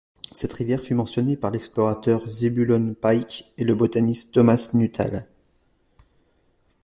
Cette rivière fut mentionnée par l'explorateur Zebulon Pike et le botaniste Thomas Nuttall.